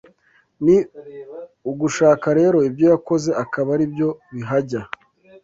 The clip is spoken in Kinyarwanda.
Ni ugushaka rero ibyo yakoze akaba ari byo bihajya